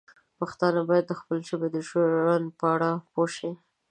پښتانه باید د خپلې ژبې د ژوند په اړه پوه شي.